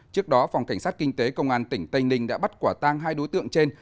trước đó phòng cảnh sát kinh tế công an tỉnh tây ninh đã bắt quả tang hai đối tượng trên